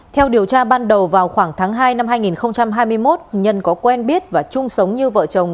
theo điều tra ban đầu vào khoảng tháng hai năm hai nghìn hai mươi một nhân có quen biết và chung sống như vợ chồng